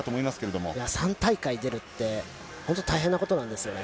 ３大会出るって、本当、大変なことなんですよね。